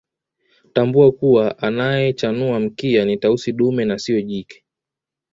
Tambua kuwa anayechanua mkia ni Tausi dume na siyo jike